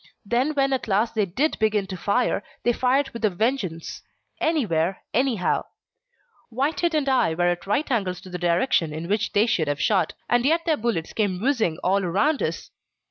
Then when at last they did begin to fire, they fired with a vengeance anywhere, anyhow. Whitehead and I were at right angles to the direction in which they should have shot, and yet their bullets came whizzing all round us.